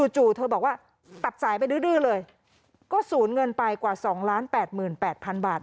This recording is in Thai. จู่เธอบอกว่าตัดสายไปดื้อเลยก็สูญเงินไปกว่า๒๘๘๐๐๐บาท